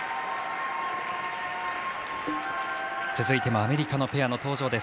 続いてもアメリカのペアの登場。